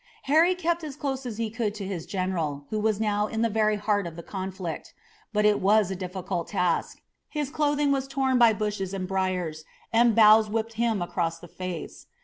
Harry kept as close as he could to his general, who was now in the very heart of the conflict. But it was a difficult task. His clothing was torn by bushes and briars, and boughs whipped him across the face.